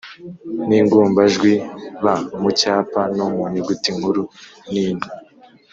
n’ingombajwi b mu cyapa no mu nyuguti nkuru n’into;.